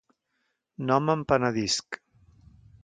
No me'n penedisc...